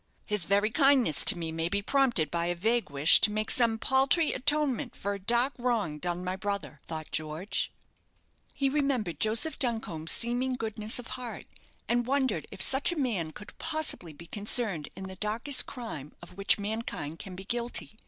"His very kindness to me may be prompted by a vague wish to make some paltry atonement for a dark wrong done my brother," thought George. He remembered Joseph Duncombe's seeming goodness of heart, and wondered if such a man could possibly be concerned in the darkest crime of which mankind can be guilty.